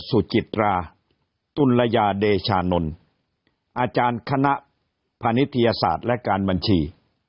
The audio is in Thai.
สุจิตราตุลยาเดชานนท์อาจารย์คณะพานิทยาศาสตร์และการบัญชี